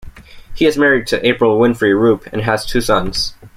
He is married to April Winfree Rupe and has two sons.